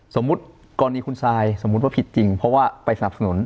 สมมุติกรณีคุณซายสมมุติว่าผิดจริงเพราะว่าไปสนับสนุน